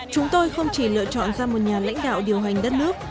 chúng tôi không chỉ lựa chọn ra một nhà lãnh đạo điều hành đất nước